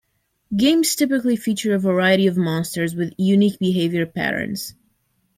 Games typically feature a variety of monsters with unique behavior patterns.